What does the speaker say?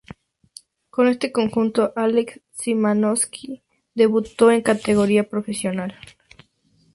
Con este conjunto, Alexander Szymanowski debutó en categoría profesional.